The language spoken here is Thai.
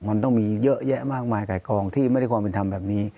มันต้องมีเยอะแยะมากมายไก่กองที่ไม่ได้ความเป็นธรรมแบบนี้